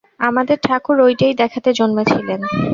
আমাদের ঠাকুর ঐটেই দেখাতে জন্মেছিলেন।